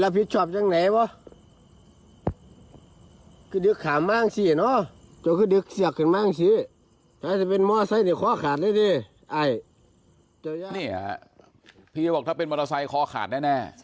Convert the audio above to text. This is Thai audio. พี่ก็บอกถ้าเป็นมอเตอร์ไซค์คอขาดแน่